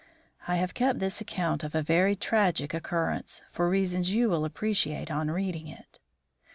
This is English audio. "I have kept this account of a very tragic occurrence, for reasons you will appreciate on reading it."